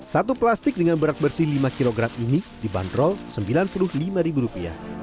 satu plastik dengan berat bersih lima kg ini dibanderol rp sembilan puluh lima